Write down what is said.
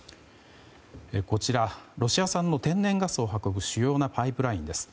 こちら、ロシア産の天然ガスを運ぶ主要なパイプラインです。